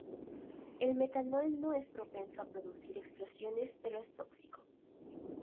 El metanol no es propenso a producir explosiones pero es tóxico.